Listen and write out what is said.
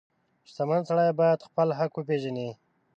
• شتمن سړی باید خپل حق وپیژني.